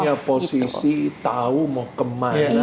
punya posisi tahu mau kemana